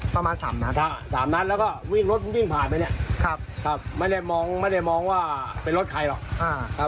ประมาณ๓นัด๓นัดแล้วก็วิ่งรถวิ่งผ่านไปเนี่ยไม่ได้มองไม่ได้มองว่าเป็นรถใครหรอก